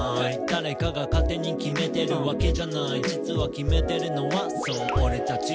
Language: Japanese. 「誰かが勝手に決めてるわけじゃない」「実は決めてるのはそうオレたち」